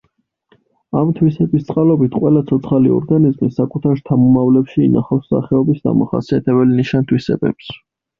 ამ თვისების წყალობით ყველა ცოცხალი ორგანიზმი საკუთარ შთამომავლებში ინახავს სახეობის დამახასიათებელ ნიშან-თვისებებს.